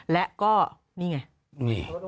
และก็นี่ไง